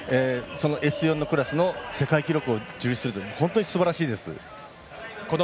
そして、Ｓ４のクラスの世界記録を樹立するという本当にすばらしいです。